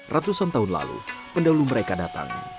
ratusan tahun lalu pendahulu mereka datang